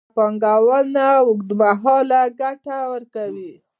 ښه پانګونه اوږدمهاله ګټه ورکوي.